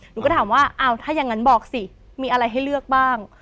หนูก็ถามว่าอ้าวถ้าอย่างนั้นบอกสิมีอะไรให้เลือกบ้าง